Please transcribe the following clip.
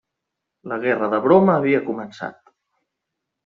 La Guerra de Broma havia començat.